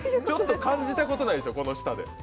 ちょっと感じたことないでしょう、この舌で。